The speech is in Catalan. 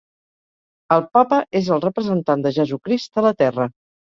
El papa és el representant de Jesucrist a la Terra.